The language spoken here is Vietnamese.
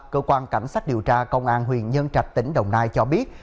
cơ quan cảnh sát điều tra công an huyện nhân trạch tỉnh đồng nai cho biết